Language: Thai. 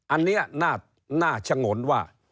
อันนี้น่าชะงนว่า